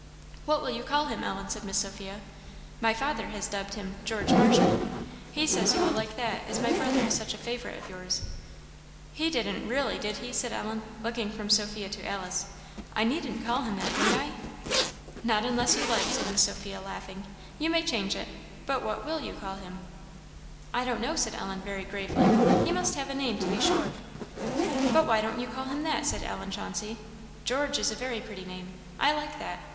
"What will you call him, Ellen," said Miss Sophia. "My father has dubbed him 'George Marshman;' he says you will like that, as my brother is such a favourite of yours." "He didn't really, did he?" said Ellen, looking from Sophia to Alice. "I needn't call him that, need I?" "Not unless you like," said Miss Sophia, laughing "you may change it, but what will you call him?" "I don't know," said Ellen, very gravely "he must have a name, to be sure." "But why don't you call him that?" said Ellen Chauncey; "George is a very pretty name I like that.